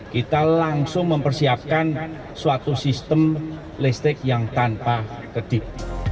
kita langsung mempersiapkan suatu sistem listrik yang tanpa kedip